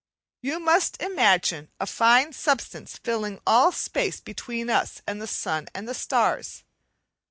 You must imagine a fine substance filling all space between us and the sun and the starts.